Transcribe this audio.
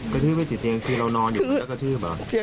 กระทืบไม่ติดเตียงคือเรานอนอยู่มันแล้วกระทืบเหรอ